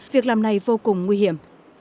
việc làm này vô cùng nguy hiểm